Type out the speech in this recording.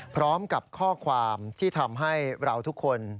พร้อมกับข้อความที่ทำให้เราทุกคน